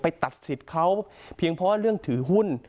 ตัดสิทธิ์เขาเพียงเพราะเรื่องถือหุ้น